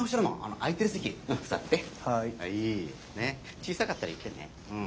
小さかったら言ってねうん。